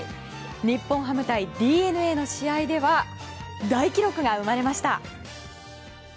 日本ハム対ＤｅＮＡの試合では大記録が生まれました。